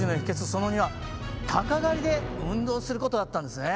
その２は鷹狩りで運動することだったんですね。